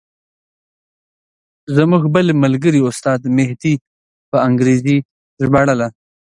زموږ بل ملګري استاد مهدي به په انګریزي ژباړله.